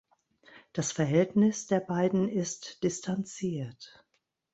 Das Verhältnis der beiden ist distanziert.